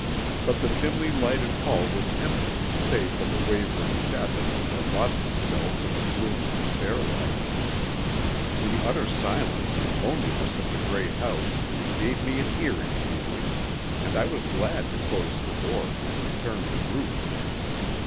But the dimly lighted hall was empty save for the wavering shadows that lost themselves in the gloom of the stairwell. The utter silence and loneliness of the great house gave me an eerie feeling, and I was glad to close the door and return to Ruth.